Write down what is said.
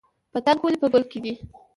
پتنګ ولې په ګل کیني؟